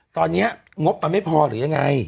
ตอนนี้งบมันไม่พอหรือยังไง